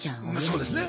そうですね。